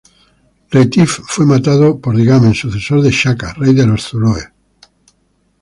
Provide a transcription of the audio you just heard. Retief fue matado por Dingane, sucesor de Shaka, rey de los zulúes.